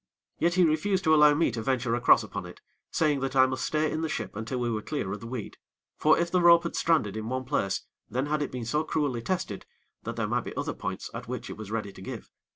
Yet he refused to allow me to venture across upon it, saying that I must stay in the ship until we were clear of the weed; for if the rope had stranded in one place, then had it been so cruelly tested that there might be some other points at which it was ready to give.